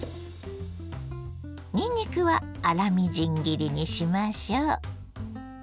にんにくは粗みじん切りにしましょ。